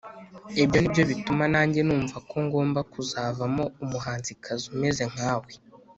ibyo ni byo bituma nange numva ko ngomba kuzavamo umuhanzikazi umeze nkawe